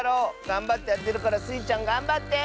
がんばってあてるからスイちゃんがんばって！